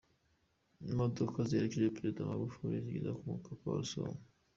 Imodoka ziherekeje Perezida Magufuli zageze ku mupaka wa Rusumo.